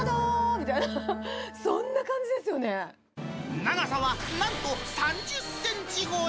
みたいな、長さはなんと３０センチ超え。